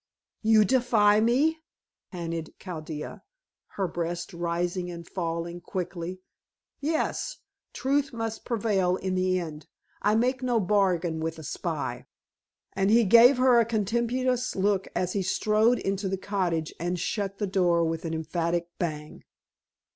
"You defy me?" panted Chaldea, her breast rising and falling quickly. "Yes; truth must prevail in the end. I make no bargain with a spy," and he gave her a contemptuous look, as he strode into the cottage and shut the door with an emphatic bang.